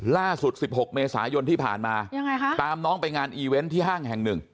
ล่าสุด๑๖เมษายนที่ผ่านมายังไงคะตามน้องไปงานอีเวนต์ที่ห้างแห่งหนึ่ง